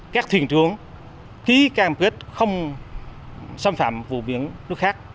các thuyền trưởng ký cam quyết không xâm phạm vùng biển nước khác